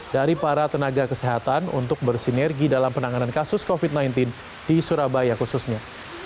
dari para tenaga kesehatan untuk bersinergi dalam penanganan kasus covid sembilan belas di surabaya khususnya